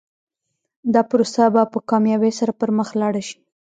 دا پروسه به په کامیابۍ سره پر مخ لاړه شي.